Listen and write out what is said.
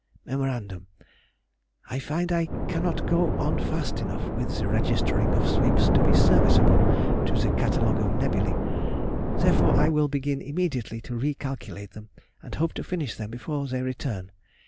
Mem.—I find I cannot go on fast enough with the registering of sweeps to be serviceable to the Catalogue of Nebulæ. Therefore I will begin immediately to recalculate them, and hope to finish them before they return.